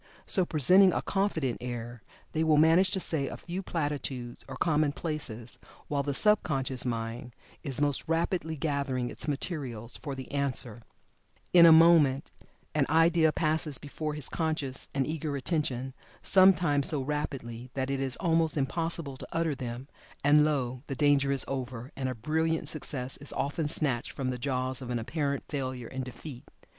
So, presenting a confident air, they will manage to say a few platitudes or commonplaces, while the sub conscious mind is most rapidly gathering its materials for the answer. In a moment an opening thought "flashes upon" the man, and as he continues idea after idea passes before his conscious and eager attention, sometimes so rapidly that it is almost impossible to utter them and lo! the danger is over, and a brilliant success is often snatched from the jaws of an apparent failure and defeat.